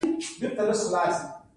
هغه په بې وزله هېواد کې نړۍ ته راځي.